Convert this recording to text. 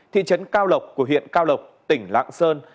thị trấn cao lộc của huyện cao lộc tỉnh lạng sơn